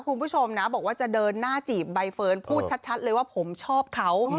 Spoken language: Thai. คุณผู้ชมนะบอกว่าจะเดินหน้าจีบใบเฟิร์นพูดชัดเลยว่าผมชอบเขา